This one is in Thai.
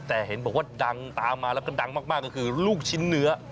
แต่เห็นบอกว่าดังตามมาแล้วก็ดังมากก็คือลูกชิ้นเนื้อ